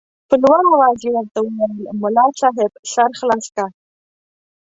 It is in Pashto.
په لوړ اواز یې ورته وویل ملا صاحب سر خلاص که.